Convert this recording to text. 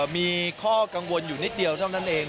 มีข้อกังวลอยู่นิดเดียวเท่านั้นเอง